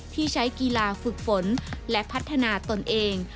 ที่ใช้กีฬาฝึกฝนและพัฒนาตนเอง